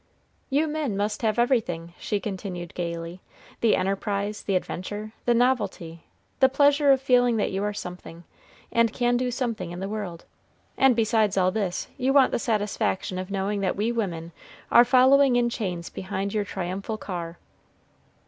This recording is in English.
"You men must have everything," she continued, gayly, "the enterprise, the adventure, the novelty, the pleasure of feeling that you are something, and can do something in the world; and besides all this, you want the satisfaction of knowing that we women are following in chains behind your triumphal car!"